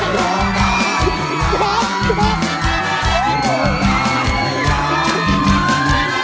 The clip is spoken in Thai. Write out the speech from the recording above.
ร้องได้ให้ร้าน